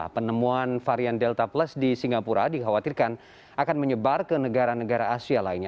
penemuan varian delta plus di singapura dikhawatirkan akan menyebar ke negara negara asia lainnya